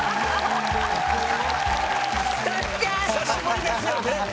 久しぶりですよね